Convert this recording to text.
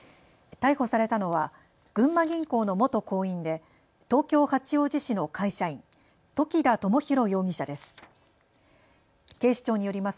逮捕されたのは群馬銀行の元行員で東京八王子市の会社員、時田知寛容疑者です。